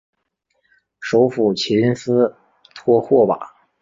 首府琴斯托霍瓦。